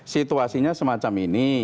situasinya semacam ini